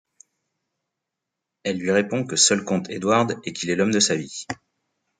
Elle lui répond que seul compte Edward et qu'il est l'homme de sa vie.